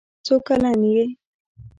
څو کلن یې؟